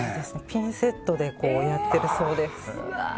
ピンセットでやっているそうです。